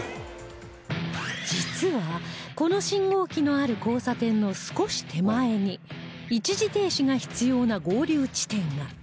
実はこの信号機のある交差点の少し手前に一時停止が必要な合流地点が